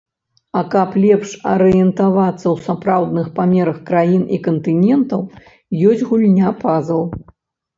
А каб лепш арыентавацца ў сапраўдных памерах краін і кантынентаў, ёсць гульня-пазл.